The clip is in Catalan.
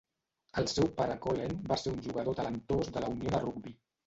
El seu pare Colin va ser un jugador talentós de la unió de rugbi.